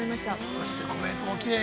◆そして、コメントもきれい。